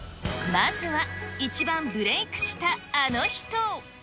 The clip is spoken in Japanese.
まずは、一番ブレークしたあの人。